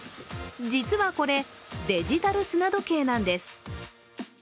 実はこれ、デジタル砂時計なんです。